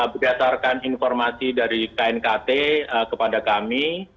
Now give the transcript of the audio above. berdasarkan informasi dari knkt kepada kami